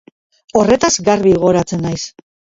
Horretaz garbi gogoratzen naiz.